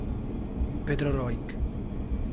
Pedro Roig